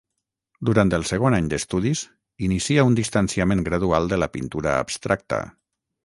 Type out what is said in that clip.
Durant el segon any d'estudis, inicia un distanciament gradual de la pintura abstracta.